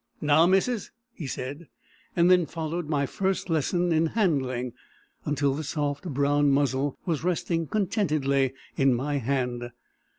"Now, missus," he said—and then followed my first lesson in "handling," until the soft brown muzzle was resting contentedly in my hand.